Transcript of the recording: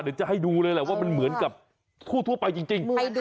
เดี๋ยวจะให้ดูเลยแหละว่ามันเหมือนกับทั่วไปจริง